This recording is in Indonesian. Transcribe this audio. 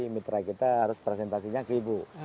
mitra kita harus presentasinya ke ibu